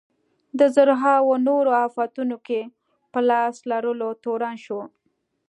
په زرهاوو نورو افتونو کې په لاس لرلو تورن شو.